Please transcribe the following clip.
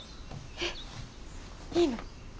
えっいいの？